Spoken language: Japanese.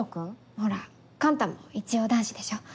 ほら幹太も一応男子でしょ。